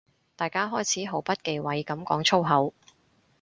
大家開始毫不忌諱噉講粗口